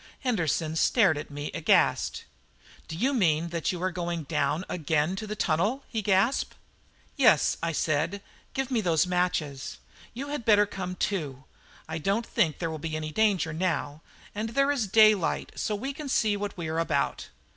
Henderson stared at me aghast. "Do you mean that you are going down again to the tunnel?" he gasped. "Yes," I said; "give me those matches. You had better come too. I don't think there will be much danger now; and there is daylight, so we can see what we are about."